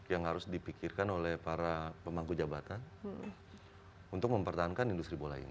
yang harus dipikirkan oleh para pemangku jabatan untuk mempertahankan industri bola ini